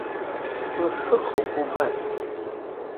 Сласыхуп убас.